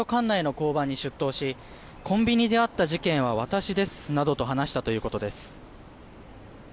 管内の交番に出頭しコンビニであった事件は私ですなどと話したということです。